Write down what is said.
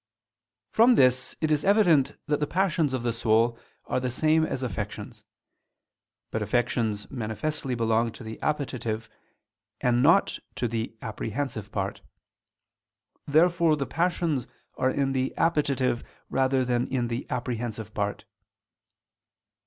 From this it is evident that the passions of the soul are the same as affections. But affections manifestly belong to the appetitive, and not to the apprehensive part. Therefore the passions are in the appetitive rather than in the apprehensive part.